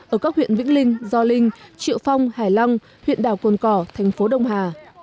ở các huyện vĩnh linh do linh triệu phong hải long huyện đào cồn cỏ thành phố đông hà